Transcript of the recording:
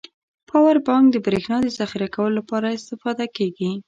پاور بانک د بريښنا د زخيره کولو لپاره استفاده کیږی.